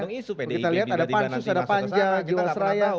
kita lihat ada pan sus jawa seraya